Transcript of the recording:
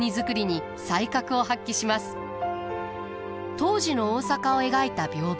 当時の大阪を描いた屏風。